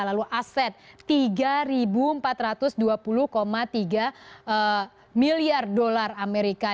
lalu aset tiga empat ratus dua puluh tiga miliar dolar amerika